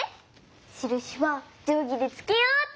しるしはじょうぎでつけようっと。